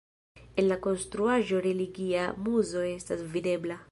En la konstruaĵo religia muzo estas videbla.